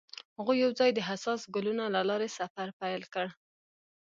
هغوی یوځای د حساس ګلونه له لارې سفر پیل کړ.